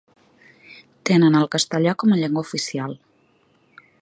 Tenen el castellà com a llengua oficial.